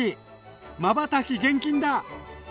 まばたき厳禁だ！